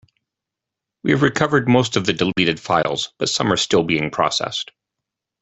We have recovered most of the deleted files, but some are still being processed.